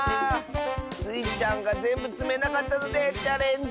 スイちゃんがぜんぶつめなかったのでチャレンジ